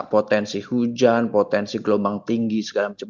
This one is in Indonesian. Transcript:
potensi hujan potensi gelombang tinggi segala macam